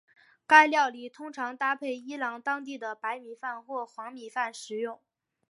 该料理通常搭配伊朗当地的白米饭或黄米饭食用。